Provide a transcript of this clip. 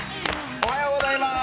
おはようございます！